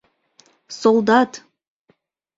Солдат!